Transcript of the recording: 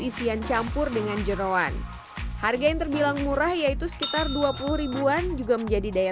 isian campur dengan jerawan harga yang terbilang murah yaitu sekitar dua puluh ribuan juga menjadi daya